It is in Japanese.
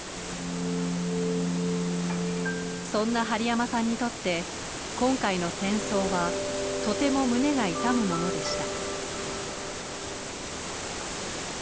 そんな針山さんにとって今回の戦争はとても胸が痛むものでした。